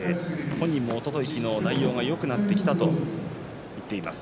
本人もおととい、昨日も内容はよくなってきたと言っています。